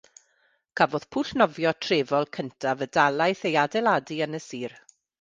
Cafodd pwll nofio trefol cyntaf y dalaith ei adeiladu yn y sir.